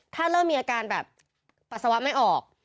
ถ้าเริ่มมีอาการแบบปัสสาวะไม่ออก